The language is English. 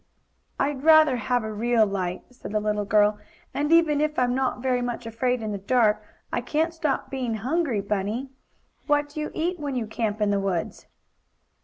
"I I'd rather have a real light," said the little girl. "And even if I'm not very much afraid in the dark, I can't stop being hungry, Bunny. What do you eat when you camp in the woods?"